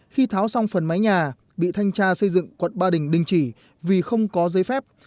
khi tháo xong phần mái nhà bị thanh tra xây dựng quận ba đình chỉ vì không có giấy phép